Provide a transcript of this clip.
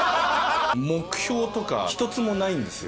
目標とか１つもないんですよ。